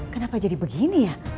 kenapa jadi begini ya